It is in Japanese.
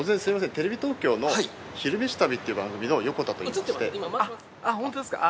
テレビ東京の「昼めし旅」っていう番組の横田といいまして。